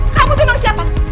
kamu tuh namanya siapa